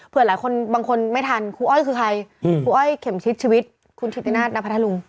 เผื่อหลายคนบางคนไม่ทันครูอ้อยคือใครครูอ้อยเข็มทิศชีวิตคุณชิคกี้พายนาทนาพระธารุง